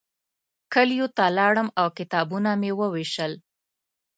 کلیو ته لاړم او کتابونه مې ووېشل.